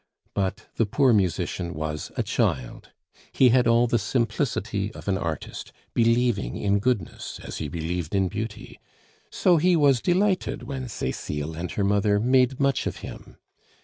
But the poor musician was a child, he had all the simplicity of an artist, believing in goodness as he believed in beauty; so he was delighted when Cecile and her mother made much of him.